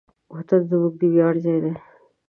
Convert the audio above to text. وطن زموږ د ویاړ ځای دی.